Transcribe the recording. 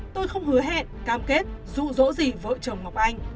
tôi không hứa hẹn cam kết rụ rỗ gì vợ chồng ngọc anh